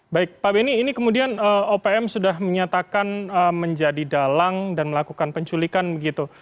baik pak beni ini kemudian opm sudah menyatakan menjadi dalang dan melakukan penculikan begitu